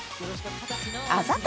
あざと